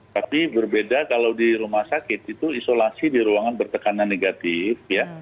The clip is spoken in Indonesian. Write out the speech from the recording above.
tapi berbeda kalau di rumah sakit itu isolasi di ruangan bertekanan negatif ya